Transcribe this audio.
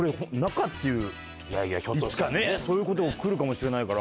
いつかねそういうことも来るかもしれないから。